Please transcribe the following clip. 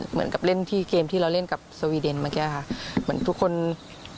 เหมือนกับเล่นที่เกมที่เราเล่นกับสวีเดนเมื่อกี้